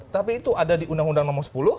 tapi itu ada di undang undang nomor sepuluh